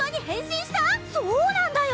そうなんだよ！